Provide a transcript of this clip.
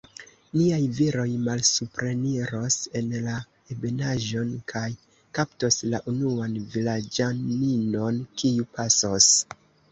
Niaj viroj malsupreniros en la ebenaĵon, kaj kaptos la unuan vilaĝaninon, kiu pasos.